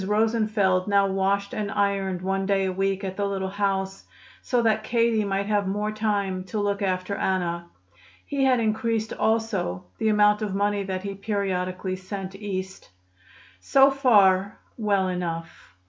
Rosenfeld now washed and ironed one day a week at the little house, so that Katie might have more time to look after Anna. He had increased also the amount of money that he periodically sent East. So far, well enough.